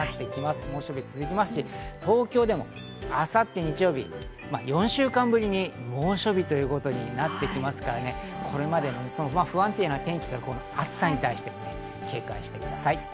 猛暑日が続いていますし、東京でも明後日、日曜日、４週間ぶりに猛暑日ということになってきますから、不安定な天気から暑さに対して警戒してください。